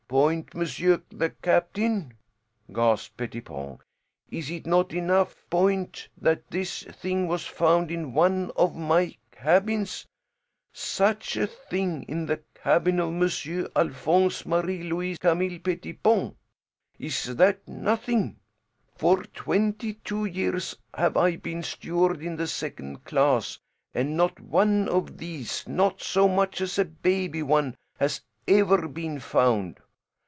"Point, monsieur the captain?" gasped Pettipon. "Is it not enough point that this thing was found in one of my cabins? Such a thing in the cabin of Monsieur Alphonse Marie Louis Camille Pettipon! Is that nothing? For twenty two years have I been steward in the second class, and not one of these, not so much as a baby one, has ever been found.